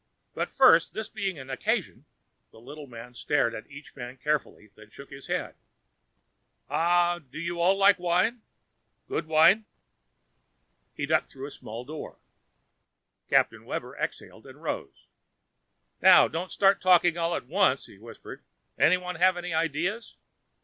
But first, this being an occasion " the little man stared at each man carefully, then shook his head " ah, do you all like wine? Good wine?" He ducked through a small door. Captain Webber exhaled and rose. "Now, don't start talking all at once," he whispered. "Anyone have any ideas?